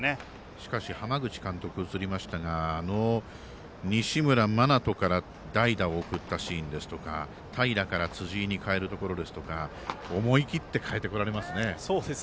しかし、浜口監督西村真人から代打を送ったシーン平から辻井に代えるところですとか思い切って代えてこられますね。